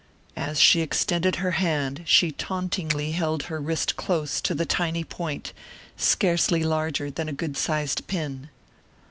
As she extended her hand she tauntingly held her wrist close to the tiny point, scarcely larger than a good sized pin.